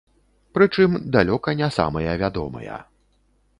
Прычым далёка не самыя вядомыя.